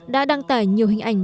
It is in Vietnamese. đã đăng tải nhiều hình ảnh